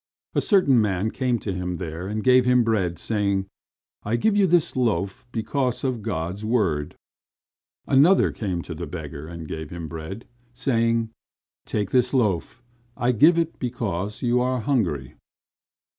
A certain man came to him there and gave him bread, saying: "I give you this loaf, because of God's word." Another came to the beggar and gave him bread, saying: "Take this loaf; I give it because you are hungry."